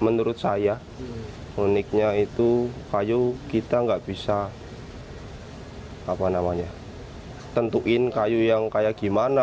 menurut saya uniknya itu kayu kita nggak bisa tentuin kayu yang kayak gimana